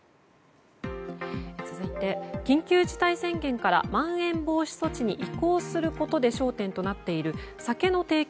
続いて緊急事態宣言からまん延防止措置に移行することで焦点となっている酒の提供